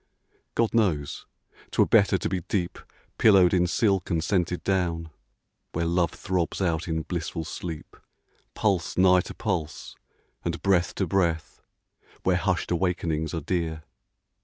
God knows 't were better to be deep Pillowed in silk and scented down, Where Love throbs out in blissful sleep Pulse nigh to pulse, and breath to breath, Where hushed awakenings are dear